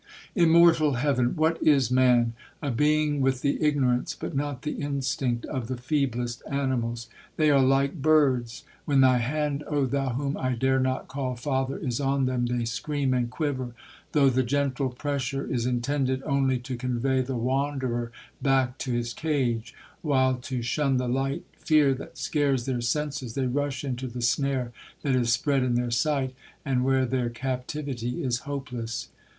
'Immortal Heaven! what is man?—A being with the ignorance, but not the instinct, of the feeblest animals!—They are like birds—when thy hand, O Thou whom I dare not call Father, is on them, they scream and quiver, though the gentle pressure is intended only to convey the wanderer back to his cage—while, to shun the light fear that scares their senses, they rush into the snare that is spread in their sight, and where their captivity is hopeless!'